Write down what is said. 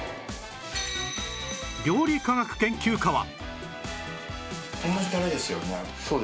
料理科学研究家は